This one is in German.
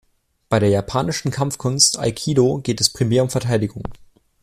Bei der japanischen Kampfkunst Aikido geht es primär um Verteidigung.